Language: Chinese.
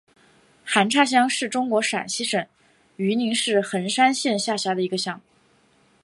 韩岔乡是中国陕西省榆林市横山县下辖的一个乡。